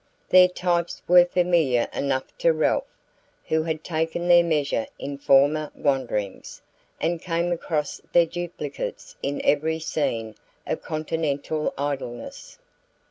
Their types were familiar enough to Ralph, who had taken their measure in former wanderings, and come across their duplicates in every scene of continental idleness.